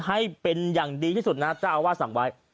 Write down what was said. ให้เป็นอย่างดีที่สุดนะเจ้าอาวาสสั่งไว้